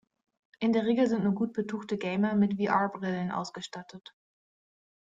In der Regel sind nur gut betuchte Gamer mit VR-Brillen ausgestattet.